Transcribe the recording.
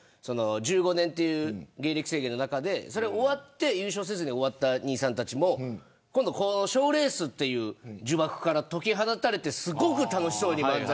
１５年という制限の中で優勝せずに終わった兄さんたちも賞レースという呪縛から解き放たれてすごく楽しそうに漫才。